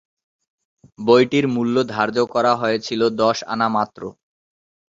বইটির মূল্য ধার্য করা হয়েছিল দশ আনা মাত্র।